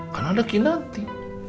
kan ada kinanti